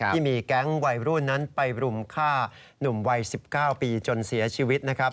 ที่มีแก๊งวัยรุ่นนั้นไปรุมฆ่าหนุ่มวัย๑๙ปีจนเสียชีวิตนะครับ